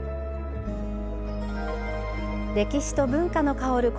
歴史と文化の薫る